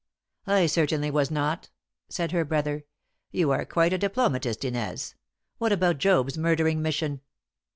"I certainly was not," said her brother. "You are quite a diplomatist, Inez. What about Job's murdering mission?"